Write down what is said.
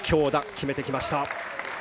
決めてきました。